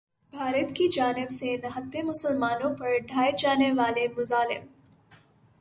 بھارت کی جانب سے نہتے مسلمانوں پر ڈھائے جانے والے مظالم